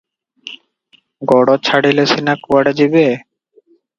ଗୋଡ଼ ଛାଡ଼ିଲେ ସିନା କୁଆଡ଼େ ଯିବେ?